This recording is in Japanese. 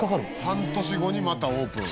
半年後にまたオープン。